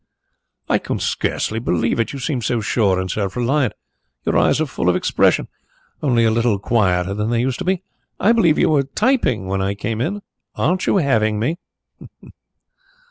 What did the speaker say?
"I can scarcely believe it. You seem so sure and self reliant. Your eyes are full of expression only a little quieter than they used to be. I believe you were typing when I came....Aren't you having me?"